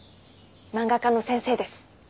漫画家の先生です。